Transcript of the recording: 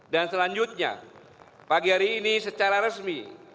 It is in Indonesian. dan selanjutnya pagi hari ini secara resmi